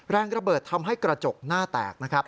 แรงระเบิดทำให้กระจกหน้าแตกนะครับ